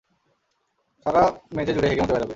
সারা মেঝে জুড়ে হেগে-মুতে বেড়াবে।